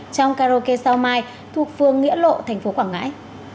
trong karaoke sao mai thuộc phương nghĩa lộ tp quảng ngãi